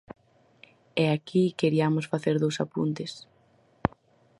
E aquí queriamos facer dous apuntes.